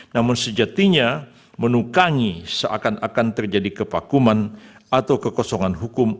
namun sejatinya menukangi seakan akan terjadi kepakuman atau kekosongan hukum